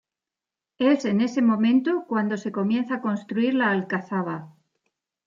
Es en ese momento cuando se comienza a construir la Alcazaba.